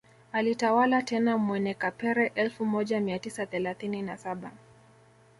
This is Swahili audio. Alitawala tena Mwene Kapere elfu moja mia tisa thelathini na saba